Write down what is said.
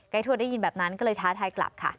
ทวดได้ยินแบบนั้นก็เลยท้าทายกลับค่ะ